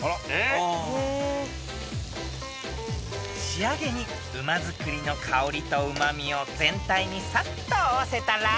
［仕上げにうま造りの香りとうま味を全体にサッと合わせたら］